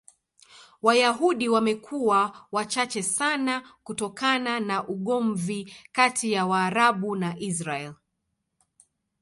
Wayahudi wamekuwa wachache sana kutokana na ugomvi kati ya Waarabu na Israel.